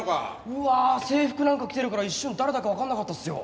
うわ制服なんか着てるから一瞬誰だかわかんなかったですよ。